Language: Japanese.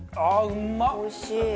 うまっ！